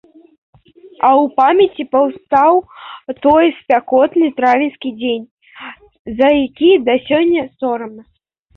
А ў памяці паўстаў той спякотны травеньскі дзень, за які да сёння сорамна.